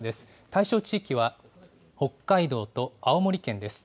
対象地域は北海道と青森県です。